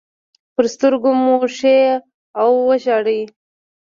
پر سترګو موښي او ژاړي.